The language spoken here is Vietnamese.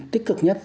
tích cực nhất